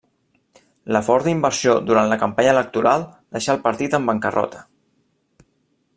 La forta inversió durant la campanya electoral deixà el partit en bancarrota.